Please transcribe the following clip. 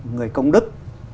người công đức